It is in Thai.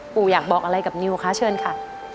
อยากบอกอะไรกับนิวคะเชิญค่ะ